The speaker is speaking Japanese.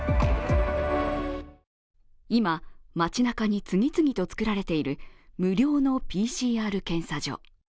今、街なかに次々と作られている無料のＰＣＲ検査所。